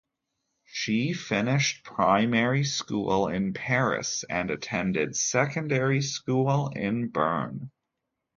She finished primary school in Paris and attended secondary school in Bern.